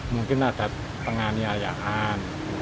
mungkin ada penganiayaan